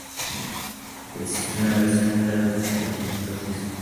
Existe una versión del álbum que contiene dos discos.